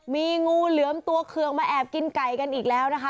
มีงูเหลือมตัวเคืองมาแอบกินไก่กันอีกแล้วนะคะ